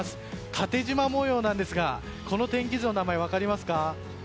縦じま模様なんですがこの天気図の名前、分かります？